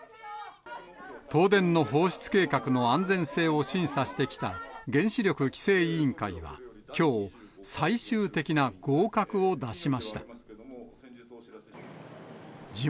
東電の放出計画の安全性を審査してきた原子力規制委員会は、きょう、最終的な合格を出しました。